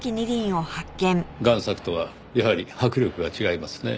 贋作とはやはり迫力が違いますねぇ。